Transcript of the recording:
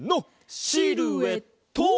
シルエット！